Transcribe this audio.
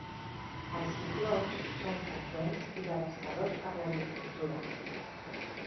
Els ciclons són freqüents i devastadors per a l'agricultura.